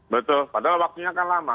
betul padahal waktunya kan lama